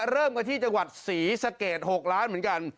เริ่มกันที่จังหวัดศรีสะเกด๖ล้านเหมือนกัน